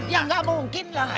ya gak mungkin lah